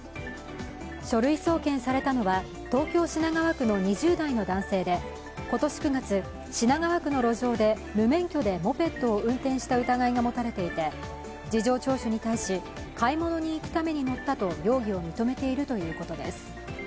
書類送検されたのは東京品川区の２０代の男性で今年９月、品川区の路上で無免許でモペットを運転した疑いが持たれていて事情聴取に対し買い物に行くために乗ったと容疑を認めているということです。